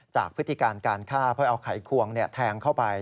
พฤติการการฆ่าเพื่อเอาไขควงแทงเข้าไป